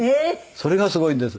それがすごいんです。